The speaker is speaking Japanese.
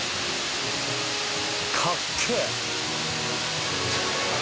かっけえ！